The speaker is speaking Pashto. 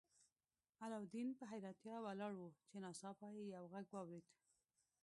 علاوالدین په حیرانتیا ولاړ و چې ناڅاپه یې یو غږ واورید.